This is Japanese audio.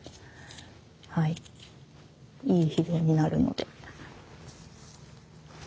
いい肥料になるので。